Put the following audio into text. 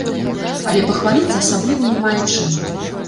Але пахваліцца асабліва не мае чым.